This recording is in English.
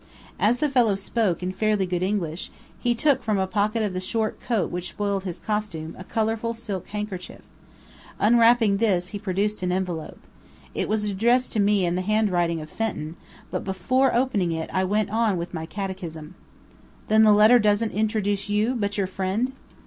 As the fellow spoke, in fairly good English, he took from a pocket of the short coat which spoiled his costume, a colourful silk handkerchief. Unwrapping this, he produced an envelope. It was addressed to me in the handwriting of Fenton, but before opening it I went on with my catechism. "Then the letter doesn't introduce you, but your friend?"